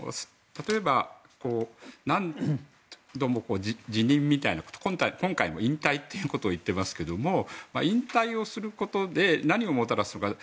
例えば何度も辞任みたいなことを今回も、引退ということを言っていますが引退をすることで何をもたらすのか。